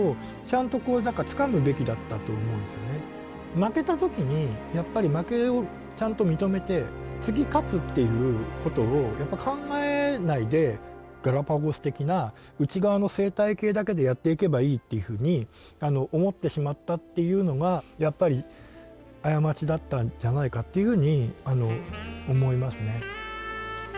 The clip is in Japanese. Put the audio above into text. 負けた時にやっぱり負けをちゃんと認めて次勝つっていうことをやっぱ考えないでガラパゴス的な内側の生態系だけでやっていけばいいっていうふうに思ってしまったっていうのがやっぱり過ちだったんじゃないかっていうふうに思いますね。